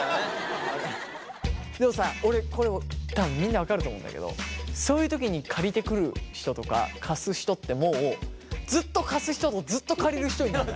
でもさ俺これ多分みんな分かると思うんだけどそういう時に借りてくる人とか貸す人ってもうずっと貸す人とずっと借りる人になんない？